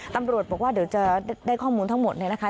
ตำรวจบอกว่าเดี๋ยวจะได้ข้อมูลทั้งหมดเนี่ยนะคะ